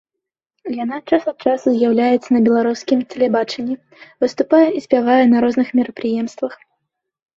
Яна час ад часу з'яўляецца на беларускім тэлебачанні, выступае і спявае на розных мерапрыемствах.